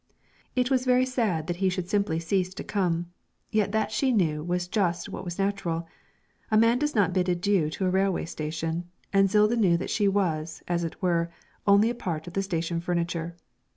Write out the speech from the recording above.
It was very sad that he should simply cease to come, yet that she knew was just what was natural; a man does not bid adieux to a railway station, and Zilda knew that she was, as it were, only part of the station furniture.